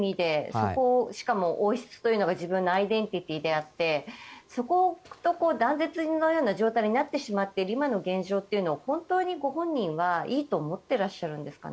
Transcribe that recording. そこをしかも王室というのが自分のアイデンティティーであってそこと断絶なような状態になってしまっている今の現状というのを本当にご本人はいいと思っていらっしゃるんですかね。